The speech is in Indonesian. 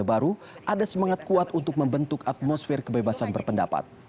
baru ada semangat kuat untuk membentuk atmosfer kebebasan berpendapat